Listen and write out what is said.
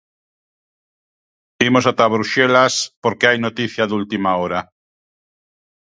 Imos ata Bruxelas, porque hai noticia de última hora.